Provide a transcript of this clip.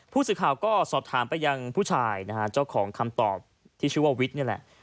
ผู้สื่อข่าวก็สอบถามไปยังผู้ชายนะฮะเจ้าของคำตอบที่ชื่อว่าวิทย์นี่แหละ